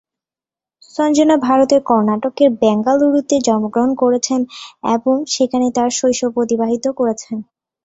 সঞ্জনা ভারতের কর্ণাটকের বেঙ্গালুরুতে জন্মগ্রহণ করেছেন এবং সেখানেই তাঁর শৈশব অতিবাহিত করেছেন।